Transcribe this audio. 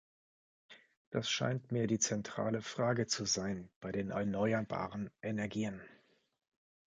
Das scheint mir die zentrale Frage zu sein bei den erneuerbaren Energien.